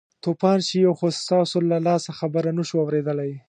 توپان شئ یو خو ستاسو له لاسه خبره نه شوو اورېدلی.